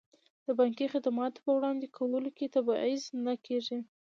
د بانکي خدماتو په وړاندې کولو کې تبعیض نه کیږي.